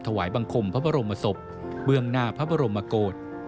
ถวายบังคมพระบรมศพเบื้องหน้าพระบรมโกศ